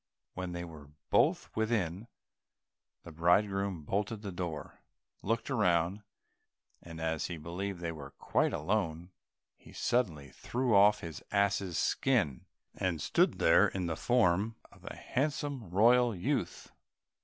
When they were both within, the bridegroom bolted the door, looked around, and as he believed that they were quite alone, he suddenly threw off his ass's skin, and stood there in the form of a handsome royal youth.